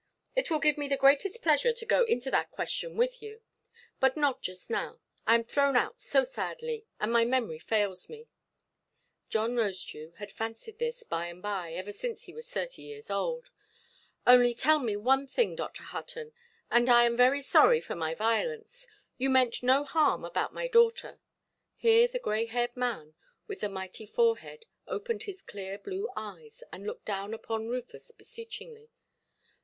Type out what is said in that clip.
It will give me the greatest pleasure to go into that question with you. But not just now. I am thrown out so sadly, and my memory fails me"—John Rosedew had fancied this, by–the–by, ever since he was thirty years old—"only tell me one thing, Dr. Hutton, and I am very sorry for my violence; you meant no harm about my daughter"? Here the grey–haired man, with the mighty forehead, opened his clear blue eyes, and looked down upon Rufus beseechingly.